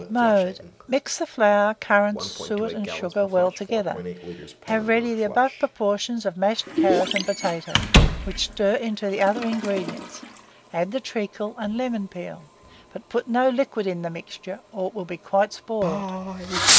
Mode. Mix the flour, currants, suet, and sugar well together; have ready the above proportions of mashed carrot and potato, which stir into the other ingredients; add the treacle and lemon peel; but put no liquid in the mixture, or it will be spoiled.